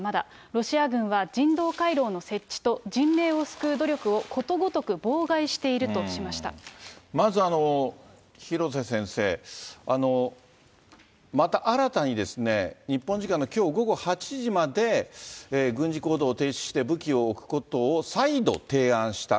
ロシア軍は人道回廊の設置と人命を救う努力をことごとく妨害してまず、廣瀬先生、また新たに日本時間のきょう午後８時まで軍事行動を停止して、武器を置くことを再度提案した。